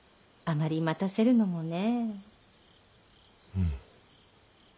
うん。